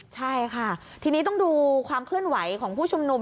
ใช่ค่ะทีนี้ต้องดูความเคลื่อนไหวของผู้ชุมนุม